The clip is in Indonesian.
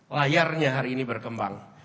layarnya hari ini berkembang